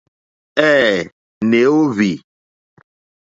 Ɛ̄ɛ̄, nè óhwì.